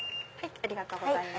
ありがとうございます。